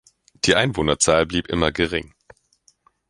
Die Einwohnerzahl blieb immer gering.